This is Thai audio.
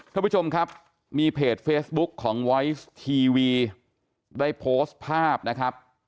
ท่านผู้ชมครับมีเพจเฟซบุ๊คของวอยซ์ทีวีได้โพสต์ภาพนะครับ